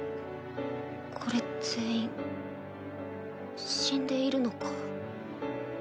これ全員死んでいるのか？